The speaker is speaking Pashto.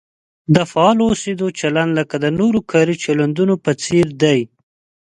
د فعال اوسېدو چلند لکه د نورو کاري چلندونو په څېر دی.